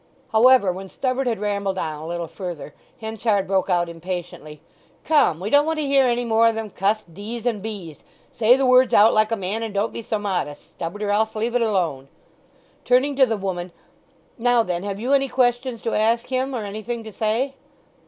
However, when Stubberd had rambled on a little further Henchard broke out impatiently, "Come—we don't want to hear any more of them cust dees and bees! Say the words out like a man, and don't be so modest, Stubberd; or else leave it alone!" Turning to the woman, "Now then, have you any questions to ask him, or anything to say?"